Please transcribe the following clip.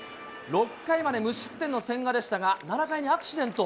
６回まで無失点の千賀でしたが、７回にアクシデント。